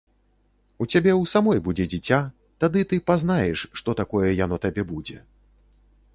У цябе ў самой будзе дзіця, тады ты пазнаеш, што такое яно табе будзе.